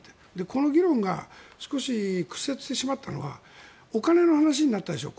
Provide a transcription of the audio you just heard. この議論が少し屈折してしまったのはお金の話になったでしょ。